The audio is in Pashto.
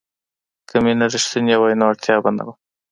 که مینه رښتینې وای نو اړتیا به نه وه.